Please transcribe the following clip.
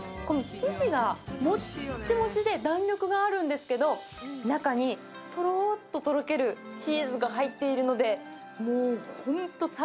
この生地がもっちもちで弾力があるんですけど中にとろーっととろけるチーズが入っているのでもうホント、